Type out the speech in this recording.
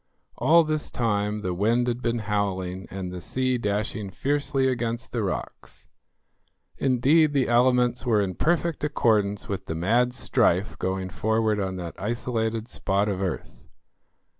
All this time the wind had been howling and the sea dashing fiercely against the rocks; indeed, the elements were in perfect accordance with the mad strife going forward on that isolated spot of earth.